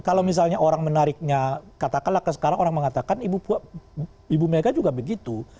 kalau misalnya orang menariknya katakanlah sekarang orang mengatakan ibu mega juga begitu